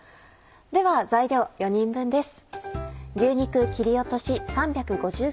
では材料４人分です。